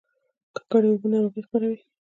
ککړې اوبه ناروغي خپروي